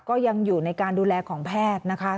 ก็ยังอยู่ในการดูแลของแพทย์นะคะ